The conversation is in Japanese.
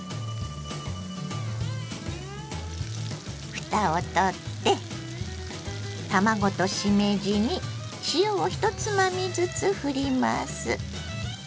ふたをとって卵としめじに塩を１つまみずつふります。